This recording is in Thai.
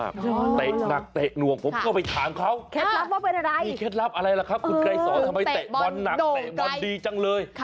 คือรุ่นเล็กและก็รุ่นใหญ่เล็กและรุ่นยัย